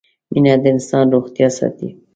مينه د انسان روغتيا ساتي